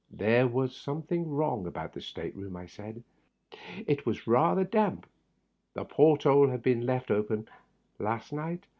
There was something wrong about the state room, I said. It was rather damp. The port hole had been left open last night.